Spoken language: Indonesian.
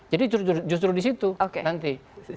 jadi justru disitu nanti